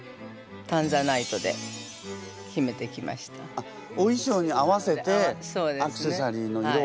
あっお衣装に合わせてアクセサリーの色を。